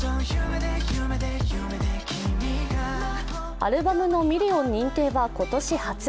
アルバムのミリオン認定は今年初。